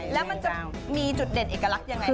แล้วมันจะมีจุดเด่นเอกลักษณ์อย่างไรครับ